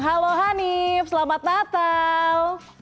halo hanif selamat natal